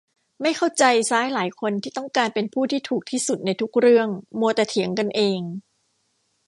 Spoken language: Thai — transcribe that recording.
ไม่เข้าใจซ้ายหลายคนที่ต้องการเป็นผู้ที่ถูกที่สุดในทุกเรื่อง มัวแต่เถียงกันเอง